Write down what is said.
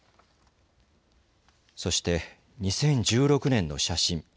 そして２０１６年の写真。